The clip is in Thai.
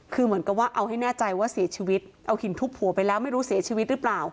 คือเหมือนกับว่าเอาให้แน่ใจว่าเสียชีวิตเอาหินทุบหัวไปแล้วไม่รู้เสียชีวิตหรือเปล่า